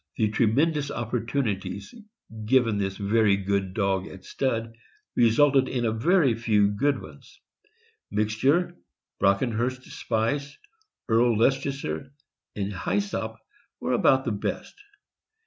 The tremendous opportu nities given this very good dog at stud resulted in a very few good ones. Mixture, Brockenhurst Spice, Earl Leices ter, and Hysop were about the best.